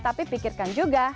tapi pikirkan juga